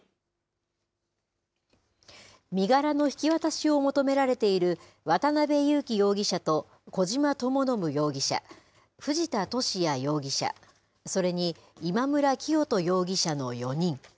身柄の引き渡しを求められている渡邉優樹容疑者と小島智信容疑者、藤田聖也容疑者、それに今村磨人容疑者の４人。